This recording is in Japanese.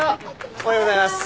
おはようございます。